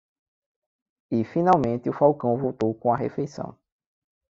E finalmente o falcão voltou com a refeição.